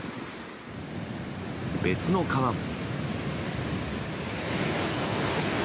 別の川も。